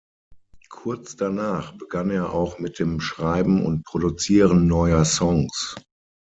Kurz danach begann er auch mit dem Schreiben und Produzieren neuer Songs.